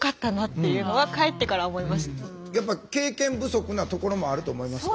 やっぱ経験不足なところもあると思いますよ。